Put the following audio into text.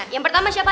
yang pertama siapa